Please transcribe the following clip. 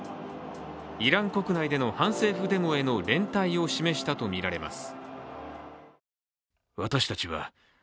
イラン国内での反政府デモへの連帯を示したとみられます。